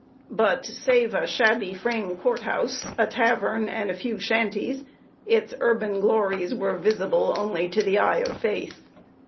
But, save a shabby frame court house, a tavern, and a few shanties, its urban glories were visible only to the eye of faith.